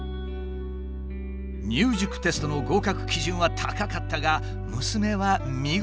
入塾テストの合格基準は高かったが娘は見事に突破。